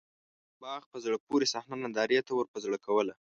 باغ په زړه پورې صحنه نندارې ته ورپه زړه کوله.